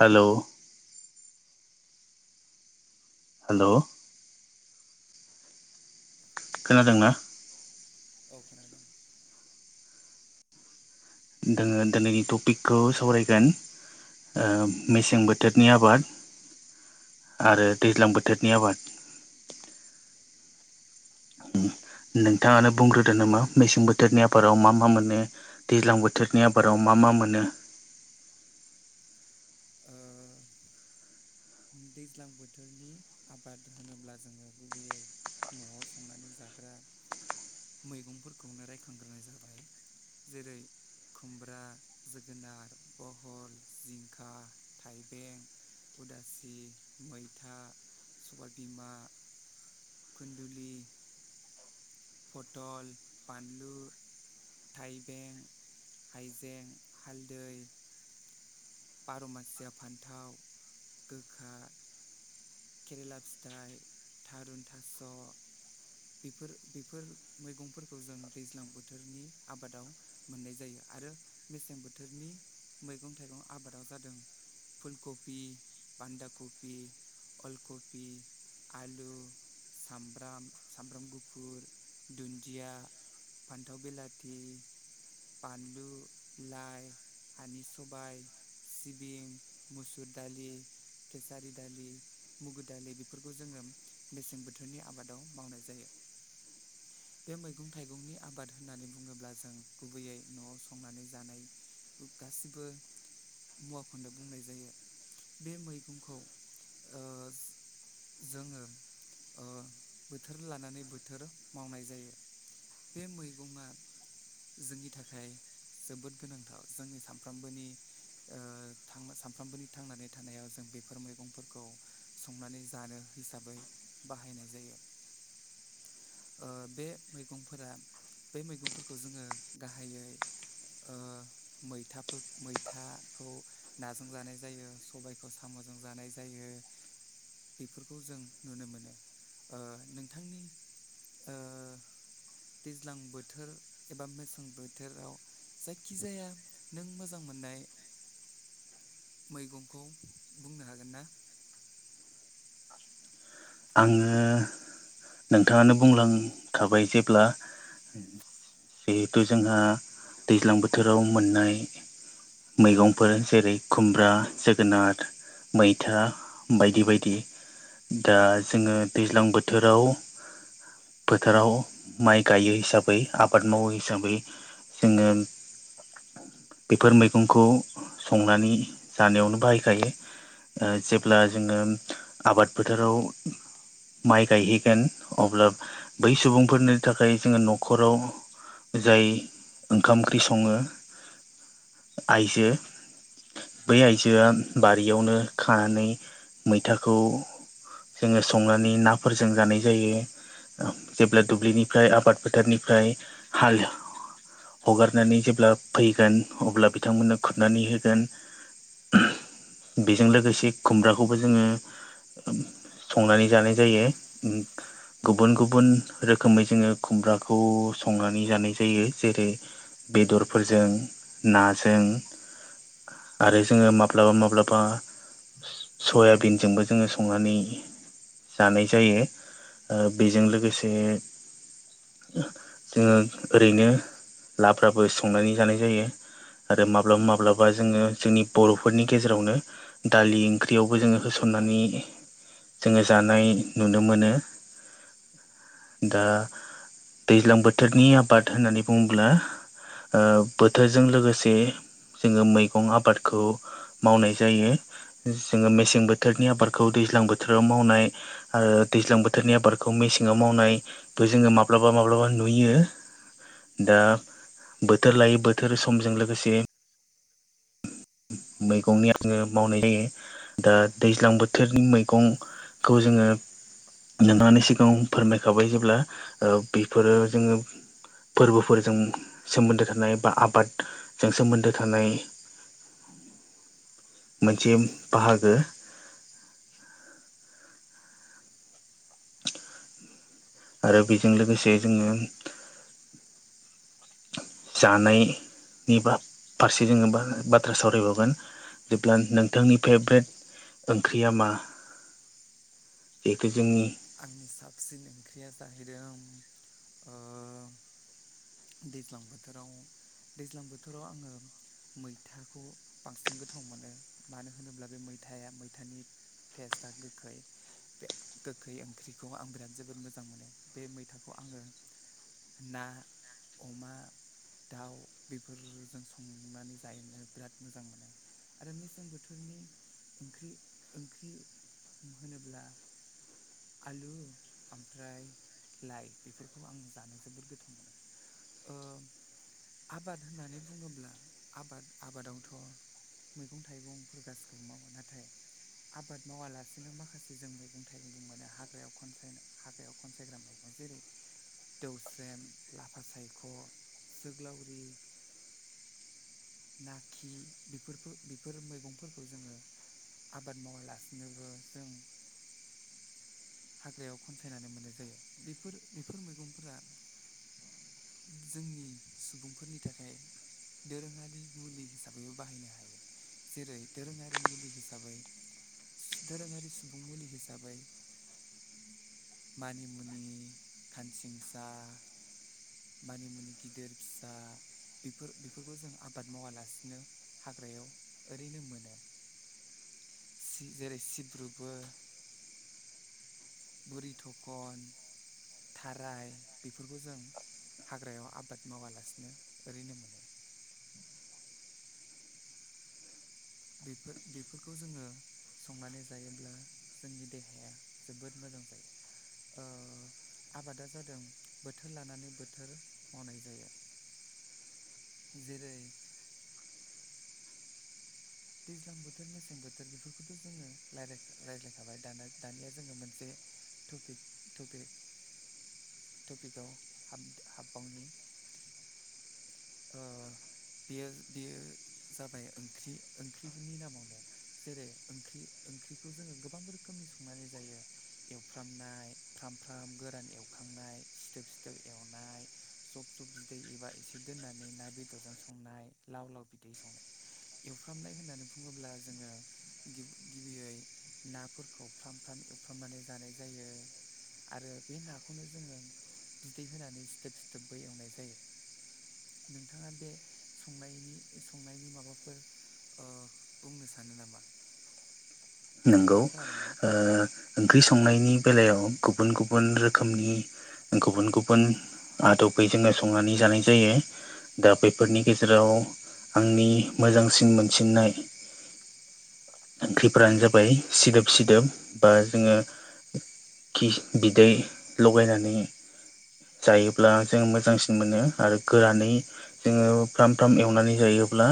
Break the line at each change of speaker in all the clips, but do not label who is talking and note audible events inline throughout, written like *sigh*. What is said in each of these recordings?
Hello hello खोनादोंना?
औ खोनादों।
दोङो दिनैनि ट'पिखौ सावरायगोन ओ मेसें बोथोरनि आबाद आरो दैज्लां बोथोरनि आबाद। नोंथाङानो बुंग्रोदो नामा? मेसें बोथोरनि आबादाव मा मा मोनो। दैज्लां बोथोरनि आबादाव मा मा मोनो।
ओ दैज्लां बोथोरनि आबाद होनोब्ला जोङो, गुबैयै न'आव संनानै जाग्रा मैगंफोरखौ नो रायखांग्रोनाय जाबाय जेरै खुमब्रा, जोगोनार, बहल, जिंखा, थाइबें उदासि, मैथा, सबायबिमा खुन्दुलि, पथल, बानलु थाइबें, हाइजें, हालदै पारमासिया फान्थाव, गोखा केरेला फिथाइ, थारुन थास' बेफोर बेफोर मैगंफोरखौ जों दैज्लां बोथोरनि आबादाव मोननाय जायो आरो मेसें बोथोरनि मैगं थाइगं आबादाव जादों फुल कबि, बान्दा कफि अलकपि आलु, सामब्राम, साम्ब्राम गुफुर, दुनदिया फान्थाव बिलाथि, बानलु, लाइ हानि सबा, सिबिं, मुसुर दालि केसारि दालि मुगु दालि बेफोरखौ जोङो मेसें बोथोरनि आबादाव मावनाय जायो।
*inaudible*
बे मैगं थाइगंनि आबाद होननानै बुङोब्ला जों गुबैयै न'आव संनानै जानाय गासिबो मुवाखौनो बुंनाय जायो बे मैगंखौ ओ जोङो बोथोर लानानै बोथोर मावनाय जायो बे मैगंआ जोंनि थाखाय जोबोद गोनांथार जोंनि सानफ्रामबोनि सानफ्रामबोनि थांनानै थानायाव जों बे बे मैंफोरखौ संनानै ज हिसाबै बाहायनाय जायो। ओ बे मैगंफोरा बे मैगंफोरखौ जोङो गाहायै ओ मैथाफोर मैथाखौ नाजों जानाय जायो सबायखौ साम'जों जानाय जायो बेफोरखौ जों नुनो मोनो नोंथांनि दैज्लां बोथोर एबा मेसें बोथोराव जायखिजाया नों मोजां मोननाय मैगंखौ बुंनो हागोन ना
आङो नोंथाङानो बुंलांखाबाय जेब्ला जिहेथु जोंहा दैज्लां बोथोराव मोननाय मैगंफोर जेरै खुमब्रा जोगोनार मैथा बायदि बायदि दा जोङो दैज्लां बोथोराव फोथोराव माइ गायो हिसाबै आबाद मावो हिसाबै सिगोल बेफोर मैगंखौ संनानै जानायावनो बाहायखायो जेब्ला जोङो आबाद फोथाराव माइ गायहैगोन अब्ला बै सुबुंफोरनि थाखाय जोङो न'खराव जाय ओंखाम ओंख्रि सङो आइजो बै आइजोआ बारियावनो खानानै मैथाखौ जोङो संनानै नाफोरजों जानाय जायो जेब्ला दुब्लिनिफ्राय आबाद फोथारनिफ्राय हालो हगारनानै जेब्ला फैगोन अब्ला बिथांमोननो खुरनानै होगोन बेजों लोगोसे खुमब्राखौबो जोङो संनानै जानाय जायो गुबुन गुबुन रोखोमै जोङो खुमब्राखौ संनानै जानाय जायो जेरै बेदरफोरजों नाजों आरो जोङो माब्लाबा माब्लाबा सयाबिन जोंबो जोङो संनानै जानाय जायो बेजों लोगोसे जोङो ओरैनो लाफ्राबो संनानै जानाय जायो आरो माब्लाबा माब्लाबा जोङो जोंनि बर'फोरनि गेजेरावनो दालि ओंख्रियावबो जो हो बुथन्नानै जोङो जानाय नुनो मोनो दा दैज्लां बोथोरनि आबाद होननानै बुङोब्ला बोथोरजों लोगोसे जोङो मैगं आबादखौ मावनाय जायो जोङो मेसें बोथोर बोथोरनि आबादखौ दैज्लां बोथोराव मावनाय आरो दैज्लां बोथोरनि आबादखौ मेसेङाव मावनाय थ जोङो माब्लाबा माब्लाबा नुयो दा बोथोर लायै बोथोर समजों लोगोसे मैगंनि आङो मावनाय जायो दा दैज्लां बोथोरनि मैगंखौ जोङो नोंथांनि सिगांङाव फोरमायखाबाय जेब्ला ओ बेफोरो जोंङो फोरबोफोरजों सोमोन्दो थानाय बा आबादजों सोमोन्दो थानाय मोनसे बाहागो *inaudible* आरो बेजों लोगोसे जोंङो जानायनि फारसे जोंङो बाथ्रा सावरायबावगोन जेब्ला नोंथांनि फेभ्रेट ओंख्रिया मा बेेखौ जोंनि
आंनि साबसिन ओंख्रिया जाहैदों दैज्लां बोथोराव दैज्लां बोथोराव आंङो मैथाखौ बांसिन गोथाव मोनो मानो होनोब्ला बे मैथाया मैथानि टेस्टा गोखै बे गोखै ओंख्रिखौ आं बिराद जोबोद मोजां मोनो बे मैथाखौ आंङो ना अमा दाउ बेफोरजों संनानै जाहनो बिराद मोजां मोनो आरो मेसें बोथोरनि ओंख्रि ओंख्रि होनोब्ला आलु ओमफ्राय लाइ बेफोरखौ आं जानो जबोर गोथाव मोनो। ओ आबाद होननानै बुंङोब्ला आबाद आबादावथ' मैगं थाइगंफोर गासिखौबो मावो नाथाय आबाद मावालासिनो माखासे जों मैगं थाइगंबो मोनो हाग्रायाव खनसायनो हाग्रायाव खनसायग्रा मैगं जेरै दौस्रेम ला लाफासायख' सोग्लावरि नाखि बेफोर बेफोर मैगंफोरखौ जोंङो आबाद मावालासिनोबो जों हाग्रायाव खनसायनानै मोननाय जायो बेफोर बेफोर मैगंफोरा जोंनि सुबुंफोरनि थाखाय दोरोंङारि मुलि हिसाबैबो बाहायनो हायो। जेरै दोरोंङारि मुलि हिसाबै दोरोंङारि सुबुं मुलि हिसाबै मानिमुनि खानसिंखुसा मानिमुनि गिदिर फिसा बेफोर बेफोरखौ जों आबाद मावालासिनो हाग्रायाव ओरैनो मोनो। जेरै सिब्रुबो बुरि थखन थाराय बेफोरखौ जों हाग्रायाव आबाद मावालासिनो ओरैनो मोनो। बेफोर बेफोरखौ जोंङो। संनानै जायोब्ला जोंनि देहाया जोबोद मोजां जायो। आबादा जादों बोथोर लानानै बोथोर मावनाय जायो। जेरै दैज्लां बोथोर मेसें बोथोर बेफोरखौथ' जोंङो रायज्लायखाबाय दा दानिया जोंङो मोनसे थपि थपि टपिकआवाब हाबबावनि बेयो बेयो जाबाय ओंख्रि ओंख्रिनि नामावनो जेरै ओंख्रि ओंख्रिखौ जोंङो गोबां रोखोमनि संनानै जायो। एवफ्रामनाय फ्राम फ्राम गोरान एवखांनाय सिथोब सिथोब एवनाय जब जब बिदै एबा एसे दोननानै ना बेदरजों संनाय लाव लाव बिदै संनाय सुफ्रामनाय होननानै बुंङोब्ला जोंङो गिबियै नाफोरखौ फ्राम फ्राम एवफ्रामनानै जानाय जायो। आरो बे नाखौनो जोङो बिदै होनानै सिथोब सिथोब बै एवनाय जायो। नोंथाङा बे संनायनि संनायनि माबाफोर ओ बुंनो सानो नामा?
नंगौ।
नोंथाङा खोनादोंना
ओ ओंख्रि संनायनि बेलायाव गुबुन गुबुन रोखोमनि गुबुन गुबुन आदबै जोङो संनानै जानाय जायो। दा बेफोरनि गेजेराव आंनि मोजांसिन मोनसिननाय ओंख्रिफोरानो जाबाय सिदोब सिदोब बा जोङो खिस बिदै लगायनानै जायोब्ला जों मोजांसिन मोनो आरो गोरानै। जोङो फ्राम फ्राम एवनानै जायोब्ला।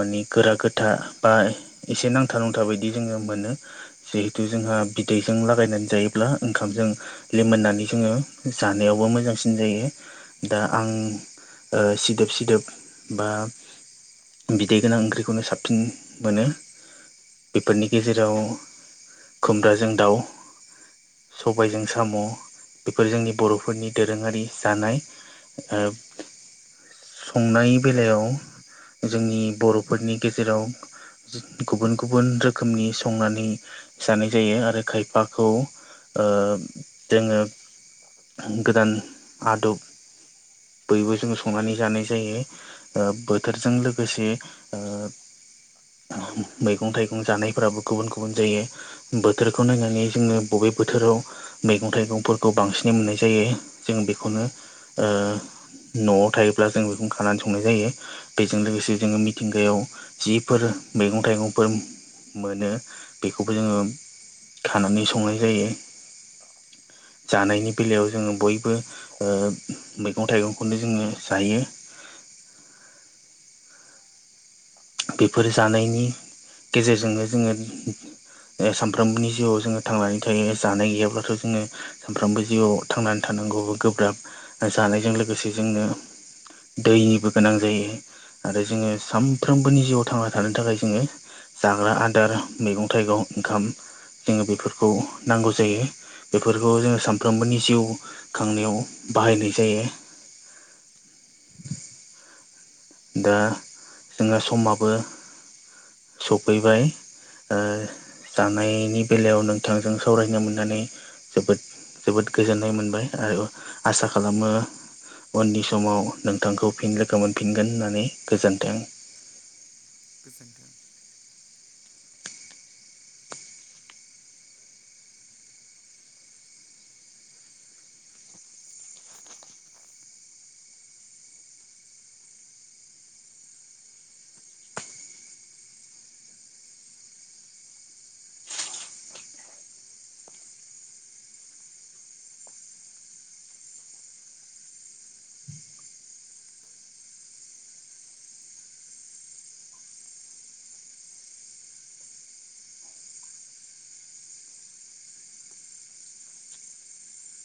मानि गोरा गोथा बा एसे नांथा नांथा बायदि जोङो मोनो। जिहेथु जोंहा बिदैजों लागायनानै जायोब्ला ओंखामजों लेमोननानै जोङो जानायावबो मोजांसिन जायो। दा आं ओ सिदोब सिदोब बा बिदै गोनां ओंख्रिखौनो साबसिन मोनो। बिफोरनि गेजेराव खुमब्राजों दाउ, सबायजों साम' बेफोर जोंनि बर'फोरनि दोरोङारि जानाय। ओ संनाय बेलायाव जोंनि बर'फोरनि गेजेराव जो गुबुन गुबुन रोख खोमनि संनानै जानाय जायो आरो खायफाखौ ओ जोङो गोदान आदब बयबो जों संनानै जानाय जायो। ओ बोथोरजों लोगोसे ओ मैगं-थाइगं जानाय फोराबो गुबुन गुबुन जायो। बोथोरखौ नायनानै जोङो बबे बोथोराव मैगं-थाइगंफोरखौ बांसिनै मोननाय जायो जों बेखौनो ओ न'आव थायोब्ला जों बेखौनो खानानै संनाय जायो। बेजों लोगोसे जोंङो मिथिंगायाव जिफोर मैगं-थाइगंफोर मोनो बेखौबो जोङो खानानै संनाय जायो। जानायनि बेलायाव जोङो बयबो। ओ मैगं-थाइगंखौनो जोङो जायो। बेफोर जानायनि गेजेरजोंनो जोंओ ओ सानफ्रोमबोनि जिउआव जोङो थांनानै थायो। जानाय गैयाब्लाथ' जोङो सानफ्रोमबो जिउआव थांनानै थानांगौबो गोब्राब जानायजों लोगोसे जोंनो दैनिबो गोनां जायो आरो जोङो सानफ्रोमबोनि जिउआव थांना थानो थाखाय जोङो जाग्रा आदार मैगं-थाइगं ओंखाम जोङो बेफोरखौ नांगौ जायो। बेफोरखौ जोङो सानफ्रोमबोनि जिउ खांनायाव बाहायनाय जायो। दा जोङो समाबो सफैबाय ओ जानायनि बेलायाव नोंथांजों सावरायनो मोननानै जोबोद जोबोद गोजोननाय मोनबाय आरो आसा खालामो उननि समाव नोंथांखौ फिन लोगो मोनफिनगोन होननानै गोजोन्थों।
गोजोन्थों।